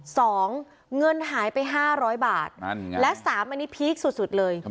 เงินหายไปห้าร้อยบาทนั่นไงและสามอันนี้พีคสุดสุดเลย